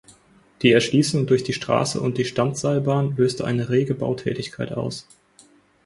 Die Erschliessung durch die Strasse und die Standseilbahn löste eine rege Bautätigkeit aus.